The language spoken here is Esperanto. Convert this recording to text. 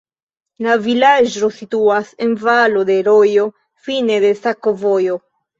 La vilaĝo situas en valo de rojo, fine de sakovojo.